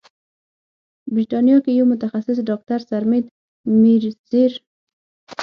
بریتانیا کې یو متخصص ډاکتر سرمید میزیر